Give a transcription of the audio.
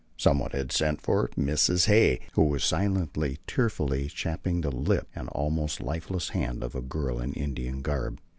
Someone had sent for Mrs. Hay, who was silently, tearfully chafing the limp and almost lifeless hands of a girl in Indian garb.